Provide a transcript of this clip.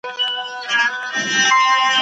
په دې توګه لږ توليدات د صادراتو لپاره چمتو سول.